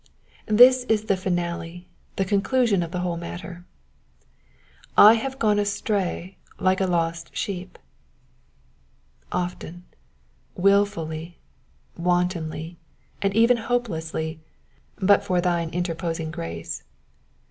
This is the finale, the conclusion of the whole matter :/ haw gone astray like a lost sheep^'^ — often, wilfully, wantonly, and even hopelessly, but for thine interposing grace.